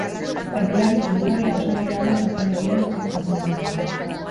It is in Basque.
Erdilari zuri-gorria oso maila ona ematen ari da azken jardunaldietan.